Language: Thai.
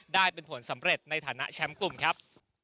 ได้เป็นผลสำเร็จในฐานะแชมป์กลุ่มครับ